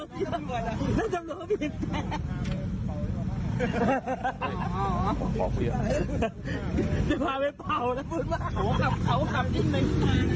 โถ่ขับเขาขับที่นึง